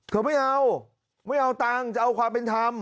ไม่เอาไม่เอาตังค์จะเอาความเป็นธรรม